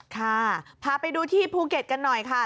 พาไปดูที่ภูเก็ตกันหน่อยค่ะ